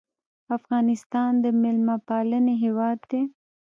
افغانستان د میلمه پالنې هیواد دی